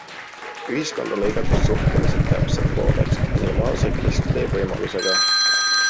Ühiskond on lõigatud suhteliselt täpselt pooleks, minimaalse kesktee võimalusega.